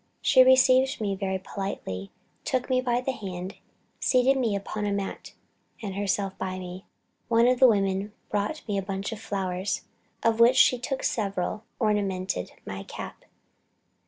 She received me very politely, took me by the hand, seated me upon a mat and herself by me. One of the women brought her a bunch of flowers, of which she took several and ornamented my cap.